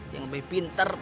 yang lebih pinter